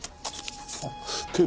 あっ警部